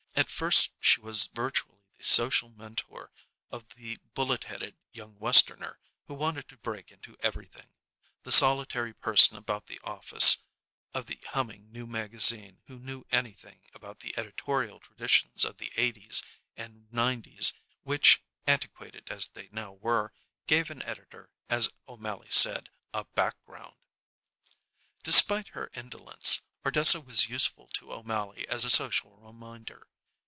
At first she was virtually the social mentor of the bullet headed young Westerner who wanted to break into everything, the solitary person about the office of the humming new magazine who knew anything about the editorial traditions of the eighties and nineties which, antiquated as they now were, gave an editor, as O'Mally said, a background. Despite her indolence, Ardessa was useful to O'Mally as a social reminder.